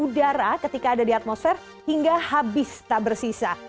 udara ketika ada di atmosfer hingga habis tak bersisa